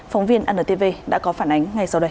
phóng viên antv đã có phản ánh ngay sau đây